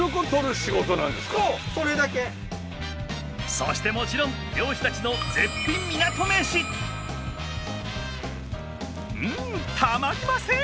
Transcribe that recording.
そしてもちろん漁師たちのうんたまりません！